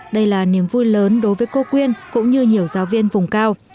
đây là niềm vui lớn đối với cô quyên cũng như nhiều giáo viên vùng cao